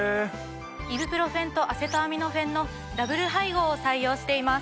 イブプロフェンとアセトアミノフェンのダブル配合を採用しています。